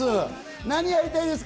何をやりたいですか？